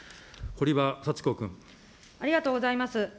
ありがとうございます。